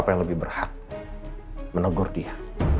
apa yang lebih berhak menegur dia